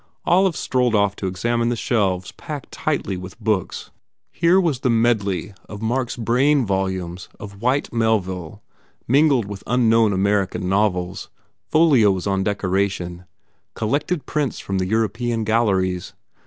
Olive strolled off to examine the shelves packed tightly with books. Here was the medley of Mark s brain volumes of Whyte Melville mingled with unknown American novels, folios on decoration, collected prints from the European galleries.